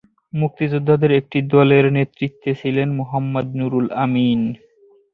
মুক্তিযোদ্ধাদের একটি দলের নেতৃত্বে ছিলেন মোহাম্মদ নুরুল আমিন।